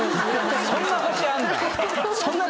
そんな星あんだ。